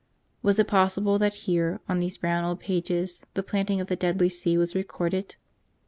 Was it possible that here, on these brown old pages, the planting of the deadly seed was recorded?